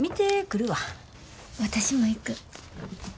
私も行く。